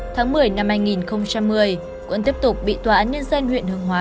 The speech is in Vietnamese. tháng một mươi năm hai nghìn một mươi quân tiếp tục bị tòa án nhân dân huyện hương hóa